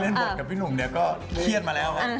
พี่หนุ่มกับพี่หนุ่มก็เครียดมาแล้ว